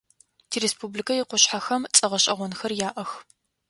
Тиреспубликэ икъушъхьэхэм цӏэ гъэшӏэгъонхэр яӏэх.